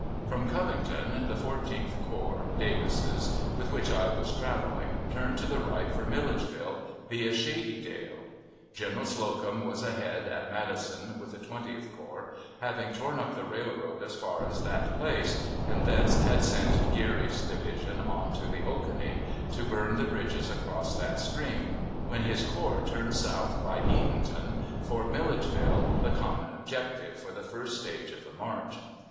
From Covington the Fourteenth Corps (Davis's), with which I was traveling, turned to the right for Milledgeville, via Shady Dale. General Slocum was ahead at Madison, with the Twentieth Corps, having torn up the railroad as far as that place, and thence had sent Geary's division on to the Oconee, to burn the bridges across that stream, when this corps turned south by Eatonton, for Milledgeville, the common "objective" for the first stage of the "march."